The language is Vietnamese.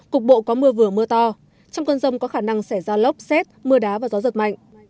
cục bộ có mưa vừa mưa to trong cơn rông có khả năng xảy ra lốc xét mưa đá và gió giật mạnh